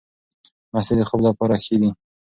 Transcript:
مستې د خوب لپاره ښې دي.